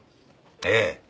ええ。